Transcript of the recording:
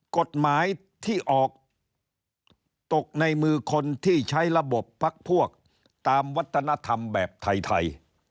กฎหมายที่ออกตกในมือคนที่ใช้ระบบพักพวกตามวัฒนธรรมแบบไทย